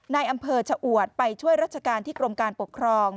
ในอำเภอชะอวดไปช่วยราชการที่กรมการปกครอง